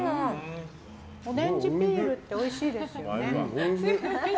オレンジピールっておいしいですよね。